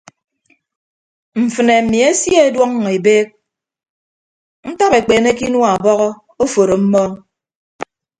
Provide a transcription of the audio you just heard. Mfịnne mmi esie ọduọñọ ebeek etap ekpeene ke inua ọbọhọ oforo mmọọñ.